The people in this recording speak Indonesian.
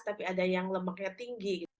tapi ada yang lemaknya tinggi gitu